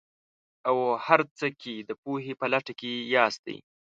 او هر څه کې د پوهې په لټه کې ياستئ.